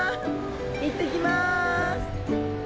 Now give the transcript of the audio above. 行ってきます。